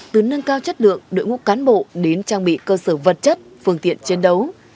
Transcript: từ nâng cao chất lượng đội ngũ cán bộ đến trang bị cơ sở vật chất phương tiện chiến đấu